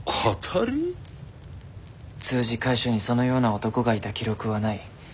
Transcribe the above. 通詞会所にそのような男がいた記録はない。